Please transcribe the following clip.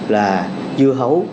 là dưa hấu